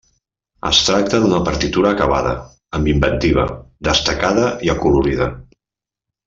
Es tracta d'una partitura acabada, amb inventiva, destacada i acolorida.